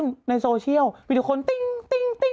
แล้วยังไง